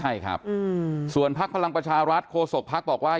ใช่ครับส่วนพักพลังประชารัฐโคศกภักดิ์บอกว่า